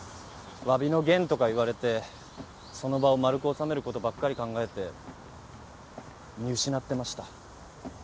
わびの玄とか言われてその場を丸く収めることばっかり考えて見失ってました。